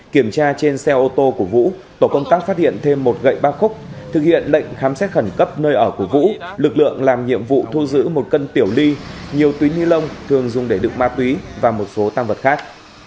kiểm tra trên xe ô tô của vũ tổ công tác phát hiện thêm một gậy ba khúc thực hiện lệnh khám xét khẩn cấp nơi ở của vũ lực lượng làm nhiệm vụ thu giữ một cân tiểu ly nhiều túi ni lông thường dùng để đựng ma túy và một số tăng vật khác